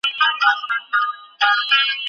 د غازي نیکه لمسی وي، خو غلام شي